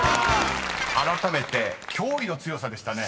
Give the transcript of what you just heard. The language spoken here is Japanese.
［あらためて驚異の強さでしたね］